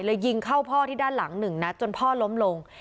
ยิงเข้าพ่อที่ด้านหลังหนึ่งนัดจนพ่อล้มลง